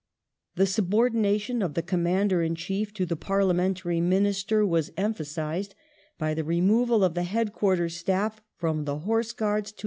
The subordination of the Commander in Chief to the Parliamentary Minister was emphasized by the removal of the Headquarters' staff from the Horse Guards to the War ^ For Clitheroe in 1842.